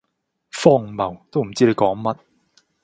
荒謬，都唔知你講乜